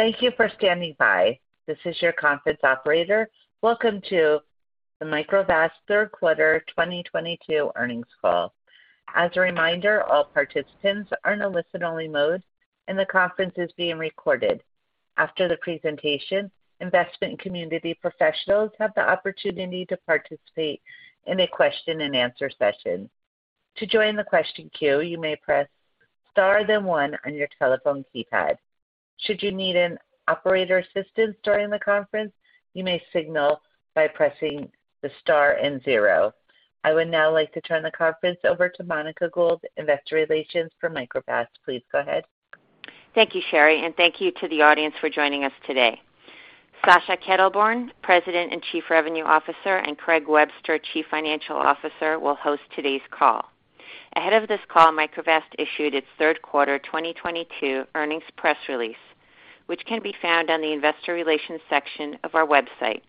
Thank you for standing by. This is your conference operator. Welcome to the Microvast third quarter 2022 earnings call. As a reminder, all participants are in a listen-only mode and the conference is being recorded. After the presentation, investment community professionals have the opportunity to participate in a question and answer session. To join the question queue, you may press star then one on your telephone keypad. Should you need an operator assistance during the conference, you may signal by pressing the star and zero. I would now like to turn the conference over to Monica Gould, Investor Relations for Microvast. Please go ahead. Thank you, Sherry, and thank you to the audience for joining us today. Sascha Kelterborn, President and Chief Revenue Officer, and Craig Webster, Chief Financial Officer, will host today's call. Ahead of this call, Microvast issued its third quarter 2022 earnings press release, which can be found on the investor relations section of our website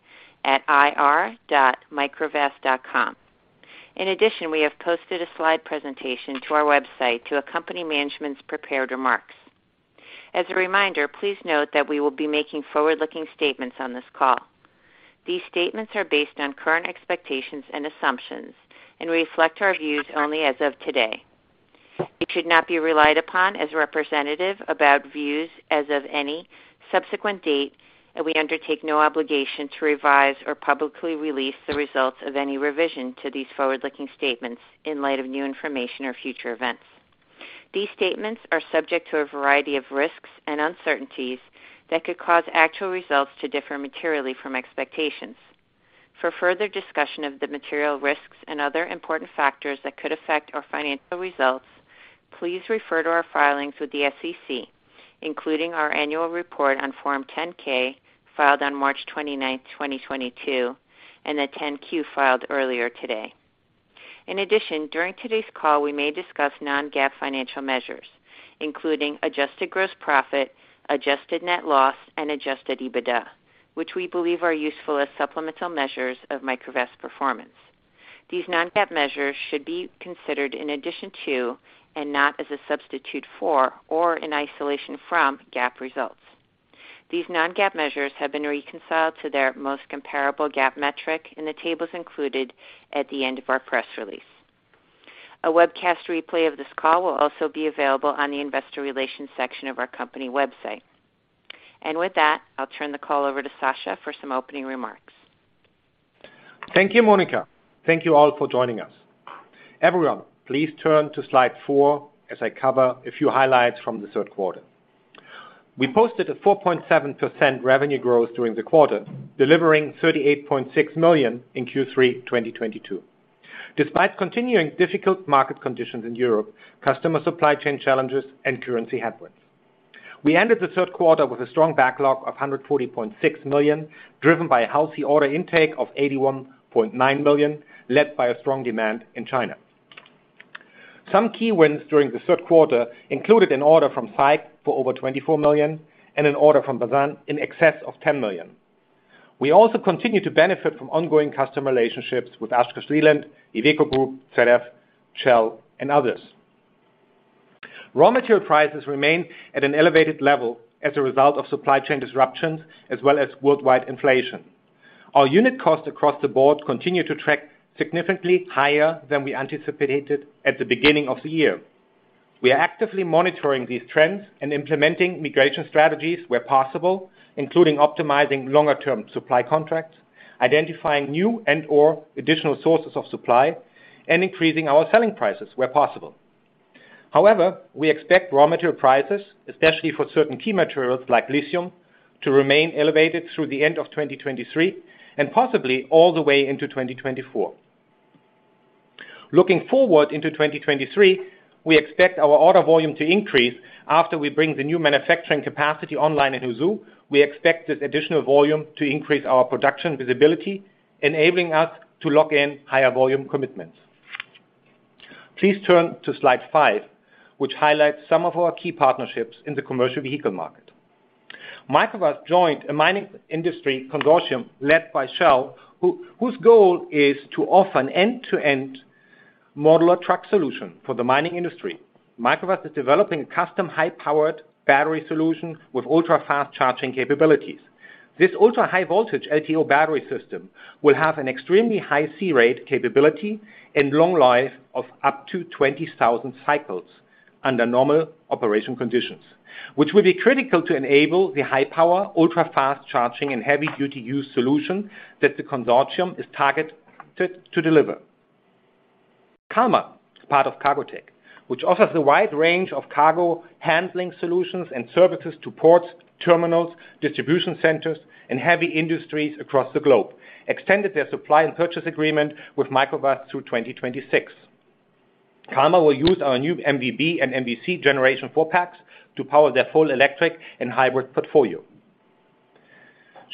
at ir.microvast.com. In addition, we have posted a slide presentation to our website to accompany management's prepared remarks. As a reminder, please note that we will be making forward-looking statements on this call. These statements are based on current expectations and assumptions, and reflect our views only as of today. It should not be relied upon as representative about views as of any subsequent date, and we undertake no obligation to revise or publicly release the results of any revision to these forward-looking statements in light of new information or future events. These statements are subject to a variety of risks and uncertainties that could cause actual results to differ materially from expectations. For further discussion of the material risks and other important factors that could affect our financial results, please refer to our filings with the SEC, including our annual report on Form 10-K filed on March 29th, 2022, and the 10-Q filed earlier today. In addition, during today's call, we may discuss non-GAAP financial measures, including adjusted gross profit, adjusted net loss, and adjusted EBITDA, which we believe are useful as supplemental measures of Microvast performance. These non-GAAP measures should be considered in addition to, and not as a substitute for or in isolation from, GAAP results. These non-GAAP measures have been reconciled to their most comparable GAAP metric in the tables included at the end of our press release. A webcast replay of this call will also be available on the investor relations section of our company website. With that, I'll turn the call over to Sascha for some opening remarks. Thank you, Monica. Thank you all for joining us. Everyone, please turn to slide four as I cover a few highlights from the third quarter. We posted a 4.7% revenue growth during the quarter, delivering $38.6 million in Q3 2022, despite continuing difficult market conditions in Europe, customer supply chain challenges, and currency headwinds, we ended the third quarter with a strong backlog of $140.6 million, driven by a healthy order intake of $81.9 million, led by a strong demand in China. Some key wins during the third quarter included an order from SAIC for over $24 million and an order from Bazan in excess of $10 million. We also continue to benefit from ongoing customer relationships with Oshkosh, Iveco Group, ZF, Shell, and others. Raw material prices remain at an elevated level as a result of supply chain disruptions as well as worldwide inflation. Our unit costs across the board continue to track significantly higher than we anticipated at the beginning of the year. We are actively monitoring these trends and implementing migration strategies where possible, including optimizing longer-term supply contracts, identifying new and/or additional sources of supply, and increasing our selling prices where possible. However, we expect raw material prices, especially for certain key materials like lithium, to remain elevated through the end of 2023 and possibly all the way into 2024. Looking forward into 2023, we expect our order volume to increase after we bring the new manufacturing capacity online in Huzhou. We expect this additional volume to increase our production visibility, enabling us to lock in higher volume commitments. Please turn to slide five, which highlights some of our key partnerships in the commercial vehicle market. Microvast joined a mining industry consortium led by Shell, whose goal is to offer an end-to-end modular truck solution for the mining industry. Microvast is developing a custom high-powered battery solution with ultra-fast charging capabilities. This ultra-high voltage LTO battery system will have an extremely high C-rate capability and long life of up to 20,000 cycles under normal operation conditions, which will be critical to enable the high-power, ultra-fast charging, and heavy-duty use solution that the consortium is targeted to deliver. Kalmar is part of Cargotec, which offers a wide range of cargo handling solutions and services to ports, terminals, distribution centers, and heavy industries across the globe, extended their supply and purchase agreement with Microvast through 2026. Kalmar will use our new MV-B and MV-C Gen 4 packs to power their full electric and hybrid portfolio.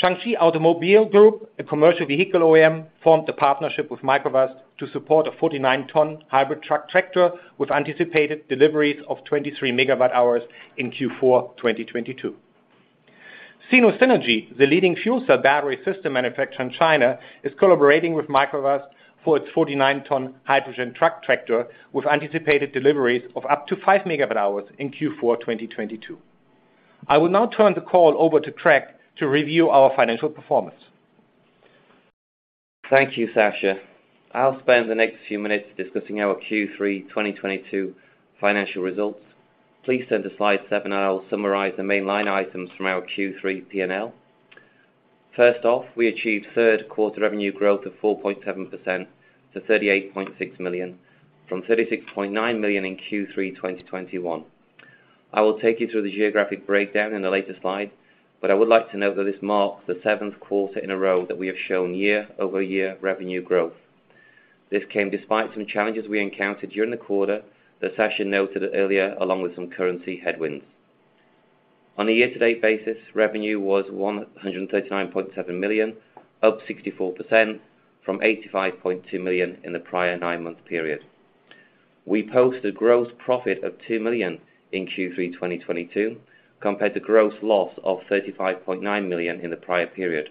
Shaanxi Automobile Holding Group Co., Ltd, a commercial vehicle OEM, formed a partnership with Microvast to support a 49-ton hybrid truck tractor with anticipated deliveries of 23 MWh in Q4 2022. SinoSynergy, the leading fuel cell battery system manufacturer in China, is collaborating with Microvast for its 49-ton hydrogen truck tractor with anticipated deliveries of up to 5 MWh in Q4 2022. I will now turn the call over to Craig to review our financial performance. Thank you, Sascha. I'll spend the next few minutes discussing our Q3 2022 financial results. Please turn to slide seven, and I'll summarize the main line items from our Q3 P&L. First off, we achieved third quarter revenue growth of 4.7% to $38.6 million from $36.9 million in Q3 2021. I will take you through the geographic breakdown in the later slide, but I would like to note that this marks the seventh quarter in a row that we have shown year-over-year revenue growth. This came despite some challenges we encountered during the quarter that Sasha noted earlier, along with some currency headwinds. On a year-to-date basis, revenue was $139.7 million, up 64% from $85.2 million in the prior nine-month period. We posted gross profit of $2 million in Q3 2022 compared to gross loss of $35.9 million in the prior period.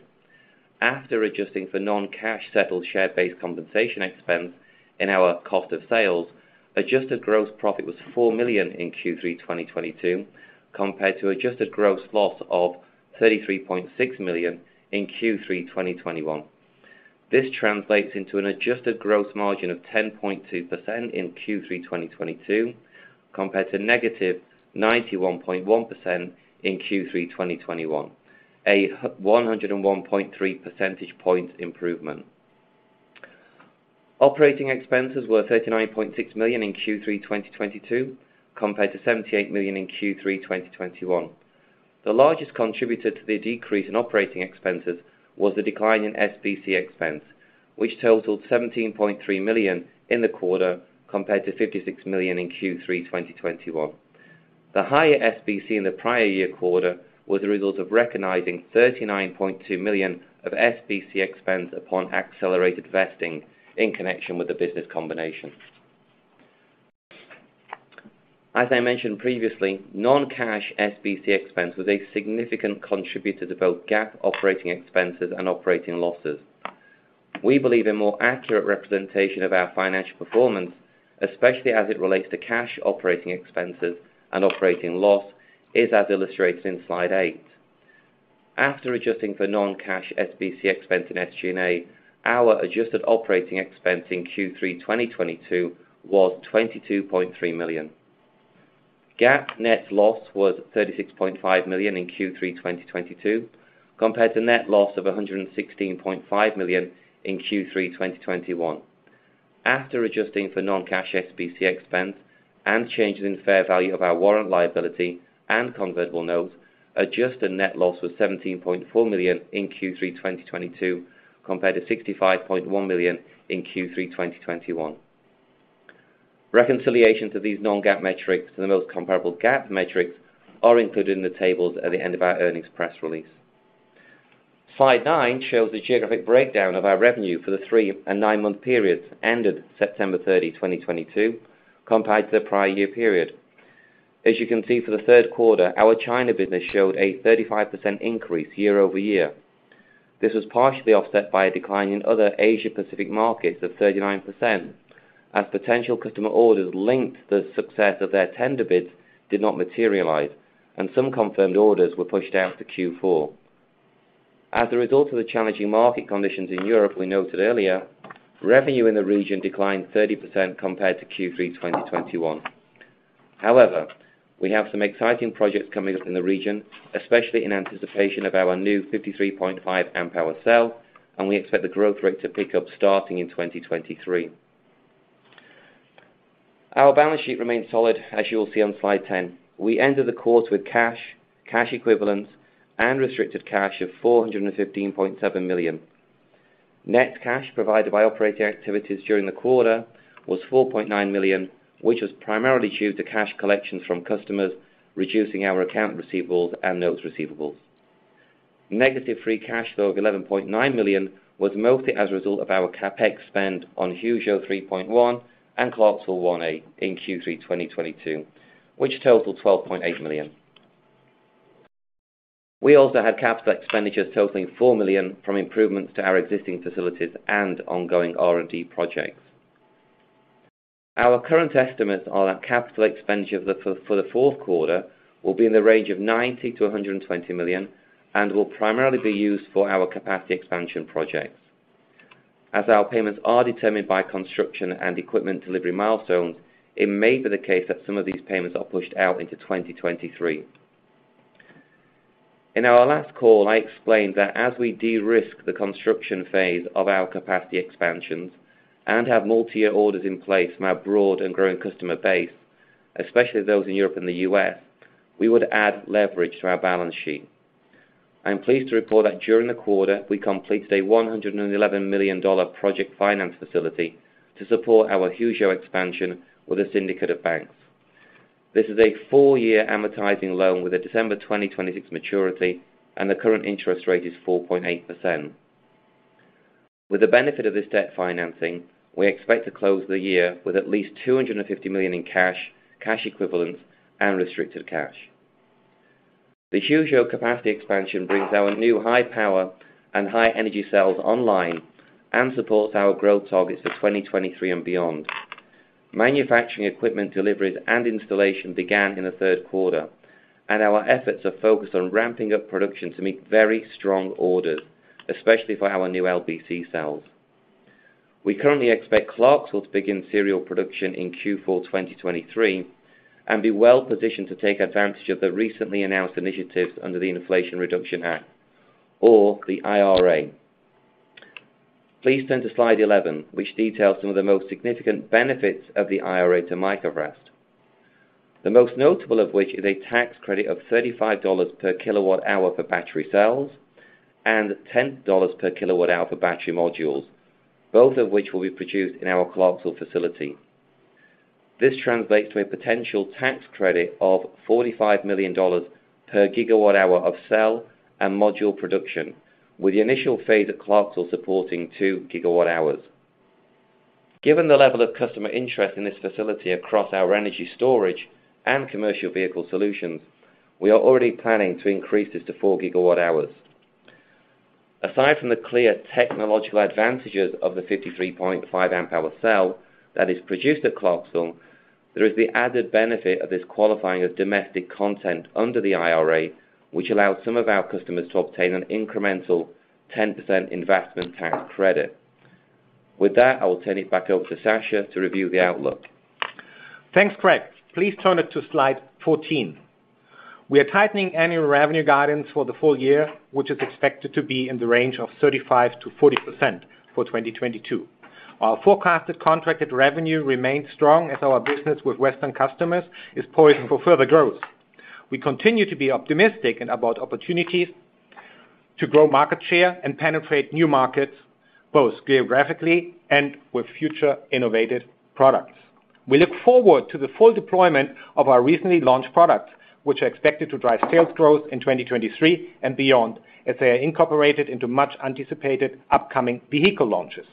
After adjusting for non-cash settled share-based compensation expense in our cost of sales, adjusted gross profit was $4 million in Q3 2022 compared to adjusted gross loss of $33.6 million in Q3 2021. This translates into an adjusted gross margin of 10.2% in Q3 2022 compared to -91.1% in Q3 2021, a 101.3 percentage points improvement. Operating expenses were $39.6 million in Q3 2022 compared to $78 million in Q3 2021. The largest contributor to the decrease in operating expenses was the decline in SBC expense, which totaled $17.3 million in the quarter, compared to $56 million in Q3 2021. The higher SBC in the prior year quarter was the result of recognizing $39.2 million of SBC expense upon accelerated vesting in connection with the business combination. As I mentioned previously, non-cash SBC expense was a significant contributor to both GAAP operating expenses and operating losses. We believe a more accurate representation of our financial performance, especially as it relates to cash operating expenses and operating loss, is as illustrated in slide eight. After adjusting for non-cash SBC expense in SG&A, our adjusted operating expense in Q3 2022 was $22.3 million. GAAP net loss was $36.5 million in Q3 2022 compared to net loss of $116.5 million in Q3 2021. After adjusting for non-cash SBC expense and changes in fair value of our warrant liability and convertible notes, adjusted net loss was $17.4 million in Q3 2022 compared to $65.1 million in Q3 2021. Reconciliation to these non-GAAP metrics and the most comparable GAAP metrics are included in the tables at the end of our earnings press release. Slide nine shows the geographic breakdown of our revenue for the three- and nine-month periods ended September 30, 2022, compared to the prior year period. As you can see for the third quarter, our China business showed a 35% increase year-over-year. This was partially offset by a decline in other Asia-Pacific markets of 39% as potential customer orders linked to the success of their tender bids did not materialize, and some confirmed orders were pushed out to Q4. As a result of the challenging market conditions in Europe we noted earlier, revenue in the region declined 30% compared to Q3 2021. However, we have some exciting projects coming up in the region, especially in anticipation of our new 53.5 Ah cell, and we expect the growth rate to pick up starting in 2023. Our balance sheet remains solid, as you'll see on slide 10. We ended the quarter with cash equivalents, and restricted cash of $415.7 million. Net cash provided by operating activities during the quarter was $4.9 million, which was primarily due to cash collections from customers, reducing our accounts receivable and those receivables. Negative free cash flow of $11.9 million was mostly as a result of our CapEx spend on Huzhou 3.1 and Clarksville 1A in Q3 2022, which totaled $12.8 million. We also had capital expenditures totaling $4 million from improvements to our existing facilities and ongoing R&D projects. Our current estimates are that capital expenditures for the fourth quarter will be in the range of $90 million-$120 million and will primarily be used for our capacity expansion projects. As our payments are determined by construction and equipment delivery milestones, it may be the case that some of these payments are pushed out into 2023. In our last call, I explained that as we de-risk the construction phase of our capacity expansions and have multi-year orders in place from our broad and growing customer base, especially those in Europe and the US, we would add leverage to our balance sheet. I'm pleased to report that during the quarter, we completed a $111 million project finance facility to support our Huzhou expansion with a syndicate of banks. This is a four-year amortizing loan with a December 2026 maturity, and the current interest rate is 4.8%. With the benefit of this debt financing, we expect to close the year with at least $250 million in cash equivalents, and restricted cash. The Huzhou capacity expansion brings our new high-power and high-energy cells online and supports our growth targets for 2023 and beyond. Manufacturing equipment deliveries and installation began in the third quarter, and our efforts are focused on ramping up production to meet very strong orders, especially for our new LBC cells. We currently expect Clarksville to begin serial production in Q4 2023, and be well-positioned to take advantage of the recently announced initiatives under the Inflation Reduction Act, or the IRA. Please turn to slide 11, which details some of the most significant benefits of the IRA to Microvast. The most notable of which is a tax credit of $35 per kilowatt hour per battery cells, and $10 per kilowatt hour per battery modules, both of which will be produced in our Clarksville facility. This translates to a potential tax credit of $45 million per GWh of cell and module production, with the initial phase at Clarksville supporting 2 GWh. Given the level of customer interest in this facility across our energy storage and commercial vehicle solutions, we are already planning to increase this to 4 GWh. Aside from the clear technological advantages of the 53.5 Ah cell that is produced at Clarksville, there is the added benefit of this qualifying as domestic content under the IRA, which allows some of our customers to obtain an incremental 10% investment tax credit. With that, I will turn it back over to Sascha to review the outlook. Thanks, Craig. Please turn it to slide 14. We are tightening annual revenue guidance for the full year, which is expected to be in the range of 35%-40% for 2022. Our forecasted contracted revenue remains strong as our business with Western customers is poised for further growth. We continue to be optimistic and about opportunities to grow market share and penetrate new markets, both geographically and with future innovative products. We look forward to the full deployment of our recently launched products, which are expected to drive sales growth in 2023 and beyond, as they are incorporated into much anticipated upcoming vehicle launches.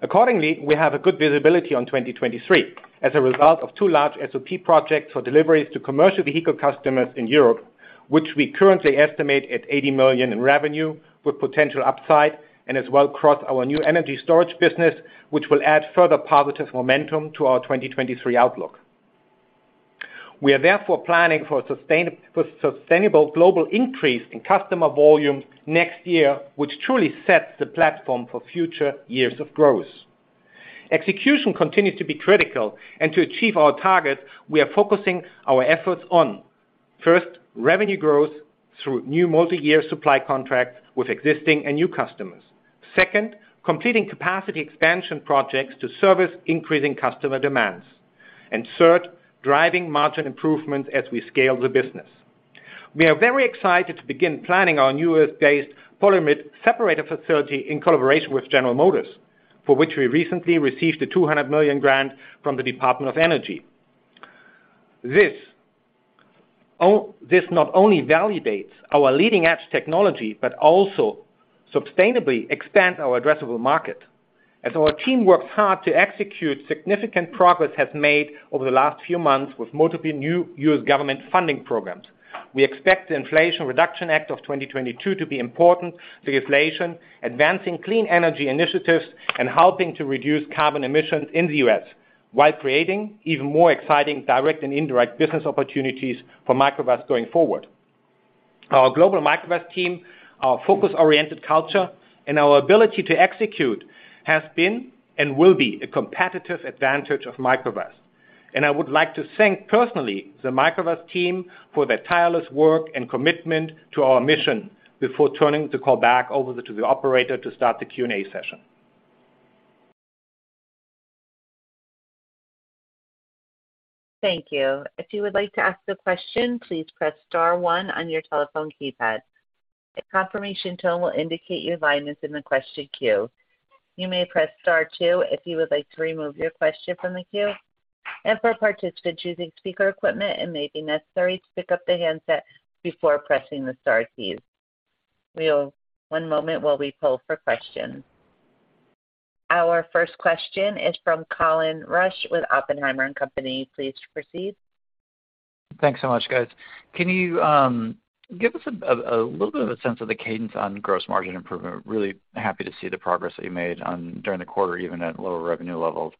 Accordingly, we have a good visibility on 2023 as a result of two large SOP projects for deliveries to commercial vehicle customers in Europe, which we currently estimate at $80 million in revenue with potential upside, and as well cross our new energy storage business, which will add further positive momentum to our 2023 outlook. We are therefore planning for sustainable global increase in customer volume next year, which truly sets the platform for future years of growth. Execution continues to be critical. To achieve our target, we are focusing our efforts on, first, revenue growth through new multiyear supply contracts with existing and new customers. Second, completing capacity expansion projects to service increasing customer demands. And third, driving margin improvement as we scale the business. We are very excited to begin planning our new state-of-the-art polyimide separator facility in collaboration with General Motors, for which we recently received a $200 million grant from the U.S. Department of Energy. This not only validates our leading-edge technology, but also sustainably expands our addressable market. As our team works hard to execute, significant progress has been made over the last few months with multiple new U.S. government funding programs. We expect the Inflation Reduction Act of 2022 to be important legislation, advancing clean energy initiatives and helping to reduce carbon emissions in the U.S., while creating even more exciting direct and indirect business opportunities for Microvast going forward. Our global Microvast team, our focus-oriented culture, and our ability to execute have been and will be a competitive advantage of Microvast. I would like to thank personally the Microvast team for their tireless work and commitment to our mission before turning the call back over to the operator to start the Q&A session. Thank you. If you would like to ask a question, please press star one on your telephone keypad. A confirmation tone will indicate your line is in the question queue. You may press star two if you would like to remove your question from the queue. For participants using speaker equipment, it may be necessary to pick up the handset before pressing the star keys. We have one moment while we poll for questions. Our first question is from Colin Rusch with Oppenheimer & Company. Please proceed. Thanks so much, guys. Can you give us a little bit of a sense of the cadence on gross margin improvement? Really happy to see the progress that you made during the quarter, even at lower revenue levels.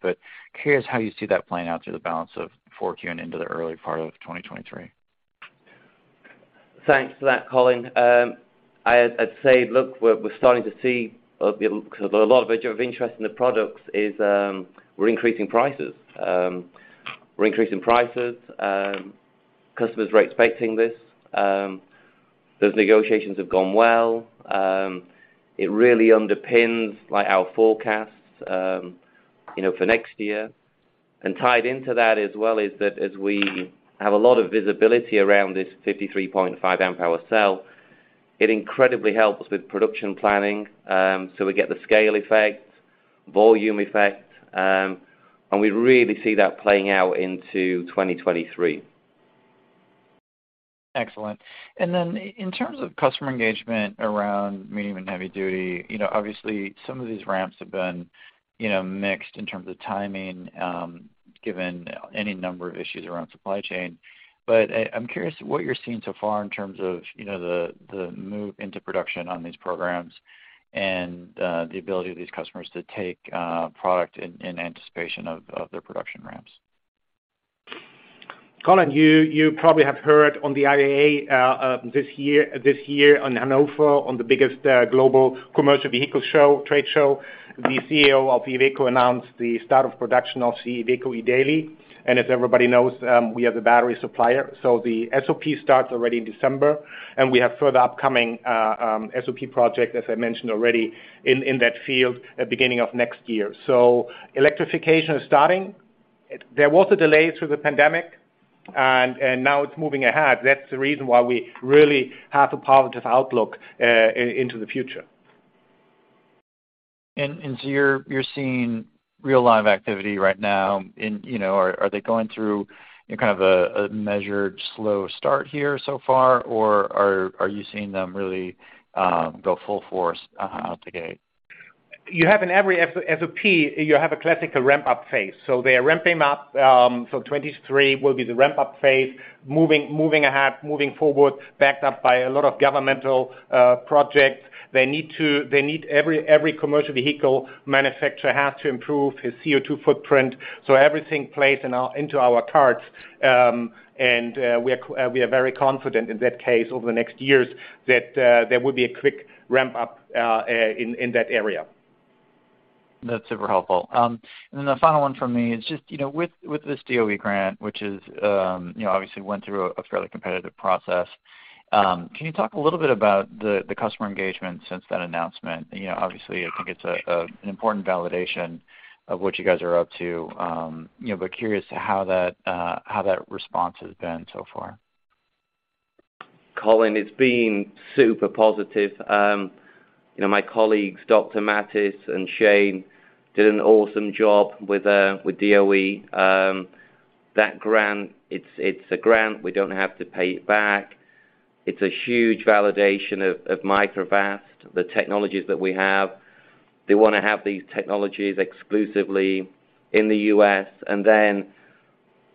Curious how you see that playing out through the balance of 4Q and into the early part of 2023. Thanks for that, Colin. I'd say, look, we're starting to see, you know, 'cause a lot of interest in the products is, we're increasing prices. Customers are expecting this. Those negotiations have gone well. It really underpins, like, our forecasts, you know, for next year. Tied into that as well is that we have a lot of visibility around this 53.5 Ah cell, it incredibly helps with production planning, so we get the scale effect, volume effect, and we really see that playing out into 2023. Excellent. Then in terms of customer engagement around medium and heavy duty, you know, obviously some of these ramps have been, you know, mixed in terms of timing, given any number of issues around supply chain. But I'm curious what you're seeing so far in terms of, you know, the move into production on these programs and the ability of these customers to take product in anticipation of their production ramps. Colin, you probably have heard on the IAA this year in Hannover, on the biggest global commercial vehicle trade show. The CEO of Iveco announced the start of production of the Iveco eDaily. As everybody knows, we are the battery supplier, so the SOP starts already in December, and we have further upcoming SOP project, as I mentioned already in that field at beginning of next year. Electrification is starting. There was a delay through the pandemic, and now it's moving ahead. That's the reason why we really have a positive outlook into the future. You're seeing real live activity right now, you know. Are they going through in kind of a measured slow start here so far, or are you seeing them really go full force out the gate? You have in every SOP a classical ramp-up phase. They are ramping up, 2023 will be the ramp-up phase, moving ahead, moving forward, backed up by a lot of governmental projects. They need every commercial vehicle manufacturer has to improve his CO2 footprint, so everything plays into our cards. We are very confident in that case over the next years that there will be a quick ramp up in that area. That's super helpful. Then the final one from me is just, you know, with this DOE grant, which is, you know, obviously went through a fairly competitive process, can you talk a little bit about the customer engagement since that announcement? You know, obviously, I think it's an important validation of what you guys are up to, you know. Curious to how that response has been so far. Colin, it's been super positive. You know, my colleagues, Dr. Mattis and Shane, did an awesome job with DOE. That grant, it's a grant, we don't have to pay it back. It's a huge validation of Microvast, the technologies that we have. They wanna have these technologies exclusively in the U.S.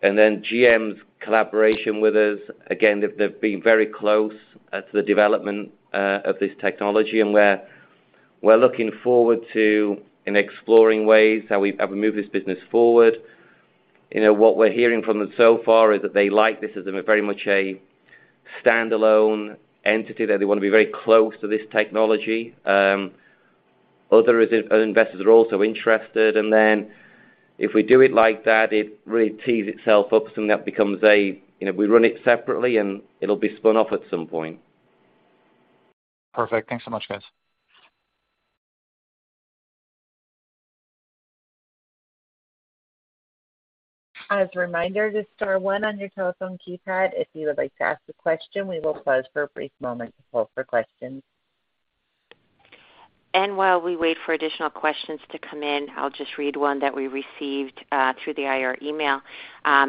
GM's collaboration with us, again, they've been very close at the development of this technology. We're looking forward to and exploring ways how we move this business forward. You know, what we're hearing from them so far is that they like this as a very much a standalone entity, that they wanna be very close to this technology. Other investors are also interested. If we do it like that, it really tees itself up, and that becomes a, you know, we run it separately, and it'll be spun off at some point. Perfect. Thanks so much, guys. As a reminder, just star one on your telephone keypad if you would like to ask a question. We will pause for a brief moment to poll for questions. While we wait for additional questions to come in, I'll just read one that we received through the IR email.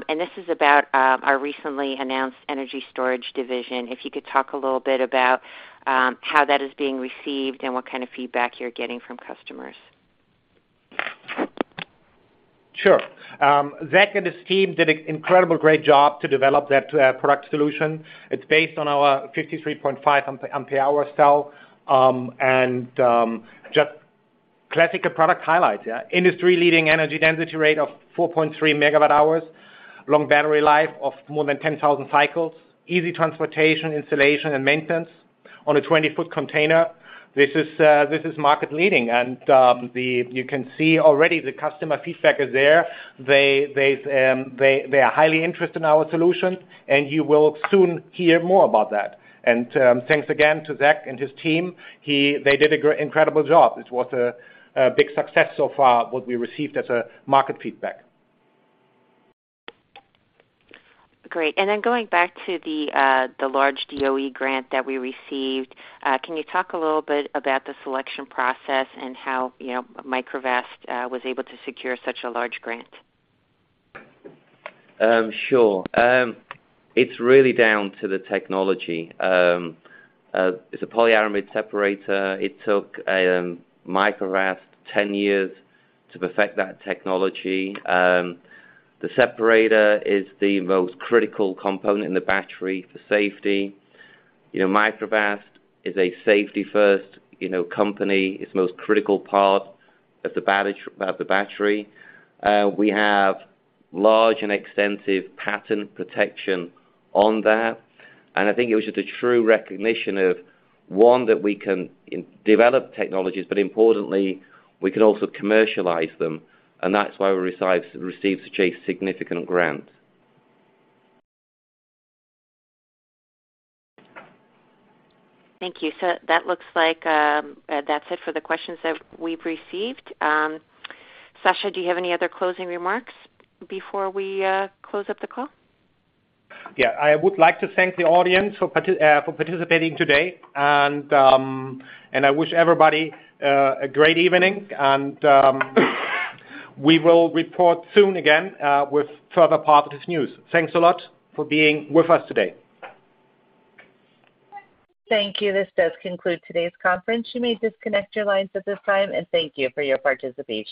This is about our recently announced energy storage division. If you could talk a little bit about how that is being received and what kind of feedback you're getting from customers. Sure. Zach and his team did an incredible, great job to develop that product solution. It's based on our 53.5 Ah cell. Just classical product highlights. Yeah. Industry-leading energy density rate of 4.3 MWh, long battery life of more than 10,000 cycles, easy transportation, installation, and maintenance on a 20-foot container. This is market-leading. You can see already the customer feedback is there. They are highly interested in our solution, and you will soon hear more about that. Thanks again to Zach and his team. They did an incredible job. It was a big success so far, what we received as market feedback. Great. Going back to the large DOE grant that we received, can you talk a little bit about the selection process and how, you know, Microvast was able to secure such a large grant? Sure. It's really down to the technology. It's a polyimide separator. It took Microvast 10 years to perfect that technology. The separator is the most critical component in the battery for safety. You know, Microvast is a safety-first, you know, company. Its most critical part of the battery. We have large and extensive patent protection on that. I think it was just a true recognition of, one, that we can develop technologies, but importantly, we can also commercialize them, and that's why we received such a significant grant. Thank you. That looks like, that's it for the questions that we've received. Sascha, do you have any other closing remarks before we close up the call? Yeah. I would like to thank the audience for participating today. I wish everybody a great evening. We will report soon again with further positive news. Thanks a lot for being with us today. Thank you. This does conclude today's conference. You may disconnect your lines at this time, and thank you for your participation.